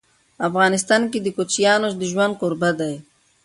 افغانستان د کوچیانو د ژوند کوربه دی.